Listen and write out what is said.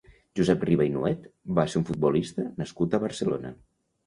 Josep Riba i Nuet va ser un futbolista nascut a Barcelona.